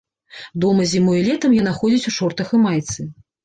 Дома зімой і летам яна ходзіць у шортах і майцы.